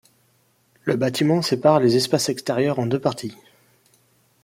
Le bâtiment sépare les espaces extérieurs en deux parties.